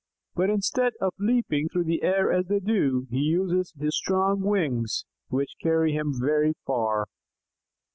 "But instead of leaping through the air as they do, he uses his strong wings, which carry him very far."